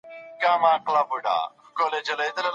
په قلم لیکنه کول د شخصیت د درناوي نښه ده.